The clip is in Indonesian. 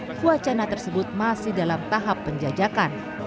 namun wacana tersebut masih dalam tahap penjajakan